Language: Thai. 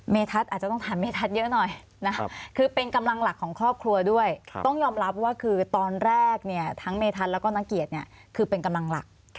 ทัศน์อาจจะต้องถามเมทัศน์เยอะหน่อยนะคือเป็นกำลังหลักของครอบครัวด้วยต้องยอมรับว่าคือตอนแรกเนี่ยทั้งเมธัศนแล้วก็นักเกียรติเนี่ยคือเป็นกำลังหลัก